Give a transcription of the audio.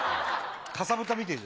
かさぶたみてえ。